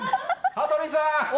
羽鳥さん！